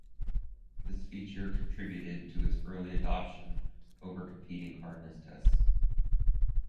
This feature contributed to its early adoption over competing hardness tests.